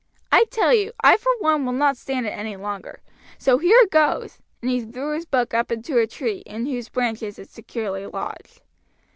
I tell you, I for one will not stand it any longer, so here goes," and he threw his book up into a tree, in whose branches it securely lodged.